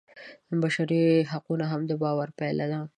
بشري حقونه هم د باور پایله ده.